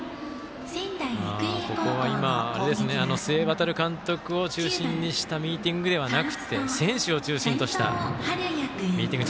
ここは須江航監督を中心にしたミーティングではなくて選手を中心としたミーティング。